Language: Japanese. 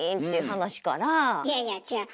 いやいや違う。